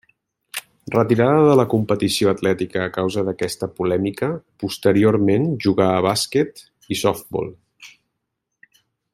Retirada de la competició atlètica a causa d'aquesta polèmica, posteriorment jugà a bàsquet i softbol.